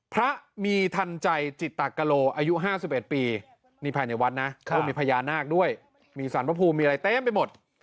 พระมีทันใจจิตโลอายุ๕๑ปีนี่ภายในวัดนะก็มีพญานาคด้วยมีสารพระภูมิมีอะไรเต็มไปหมด